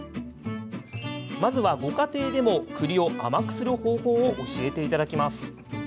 まずは、ご家庭でもくりを甘くする方法を教わります。